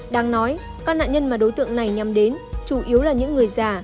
đáng nói các nạn nhân mà đối tượng này nhằm đến chủ yếu là những người già